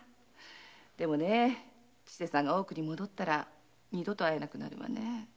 でもねぇ千勢さんが大奥に戻ったら二度と会えなくなるんだねぇ。